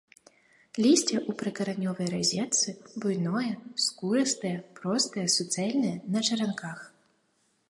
Лісце ў прыкаранёвай разетцы, буйное, скурыстае, простае, суцэльнае, на чаранках.